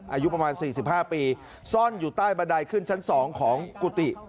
อายุประมาณ๔๕ปีซ่อนอยู่ใต้บันไดขึ้นชั้น๒ของกุฏิ